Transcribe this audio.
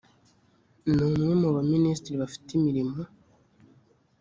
ni umwe mu ba minisitiri bafite imirimo